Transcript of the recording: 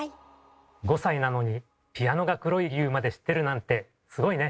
５歳なのにピアノが黒い理由まで知ってるなんてすごいね。